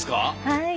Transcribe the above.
はい。